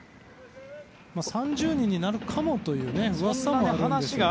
３０人になるかもという話も。